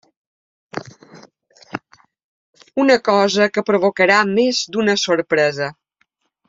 Una cosa que provocarà més d'una sorpresa.